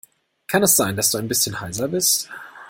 Kann es sein, dass du ein bisschen heiser bist?